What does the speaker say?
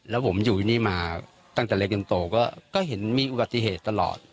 แล้วผมอยู่ที่นี่มาตั้งแต่เล็กยังโตก็เห็นมีอุบัติเหตุตลอด